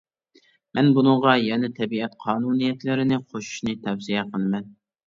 مەن بۇنىڭغا يەنە تەبىئەت قانۇنىيەتلىرىنى قوشۇشنى تەۋسىيە قىلىمەن.